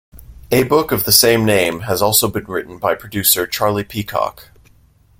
A book of the same name has also been written by producer Charlie Peacock.